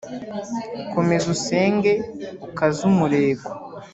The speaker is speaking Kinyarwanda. komeza usenge ukaze umurego